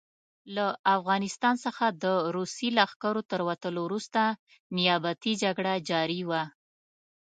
له افغانستان څخه د روسي لښکرو تر وتلو وروسته نیابتي جګړه جاري وه.